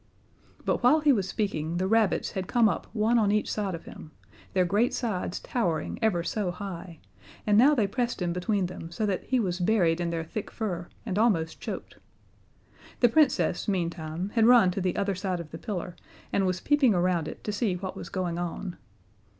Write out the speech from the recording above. But while he was speaking the rabbits had come up one on each side of him, their great sides towering ever so high, and now they pressed him between them so that he was buried in their thick fur and almost choked. The Princess, meantime, had run to the other side of the pillar and was peeping around it to see what was going on.